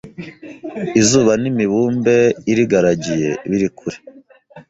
izuba n’imibumbe irigaragiye biri kure